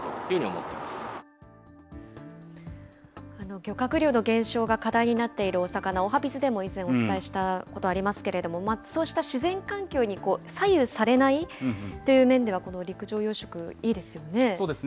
漁獲量の減少が課題になっている大阪の、おはＢｉｚでも以前お伝えしたことありますけれども、そうした自然環境に左右されないという面では、この陸上養殖、いいですよね。